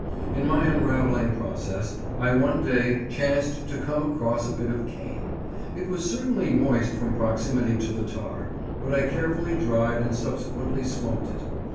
In my unravelling process I one day chanced to come across a bit of cane. It was certainly moist from proximity to the tar, but I carefully dried and subsequently smoked it.